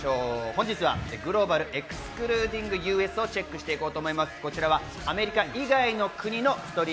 本日はグローバルエクスクルーディングユーエスをチェックしていきます。